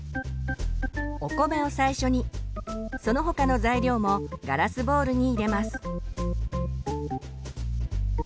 お米を最初にその他の材料もガラスボウルに入れます。